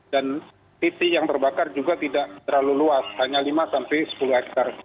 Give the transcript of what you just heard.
dan titik yang terbakar juga tidak terlalu luas hanya lima sampai sepuluh hektare